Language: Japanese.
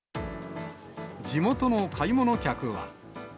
地元の買い物客は。